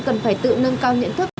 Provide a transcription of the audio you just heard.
cần phải tự nâng cao nhận thức